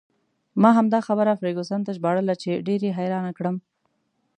ما همدا خبره فرګوسن ته ژباړله چې ډېر یې حیرانه کړه.